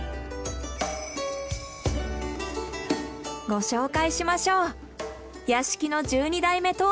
ご紹介しましょう。